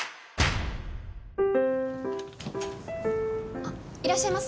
あっいらっしゃいませ。